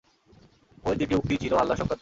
ঐ তিনটি উক্তিই ছিল আল্লাহ সংক্রান্ত।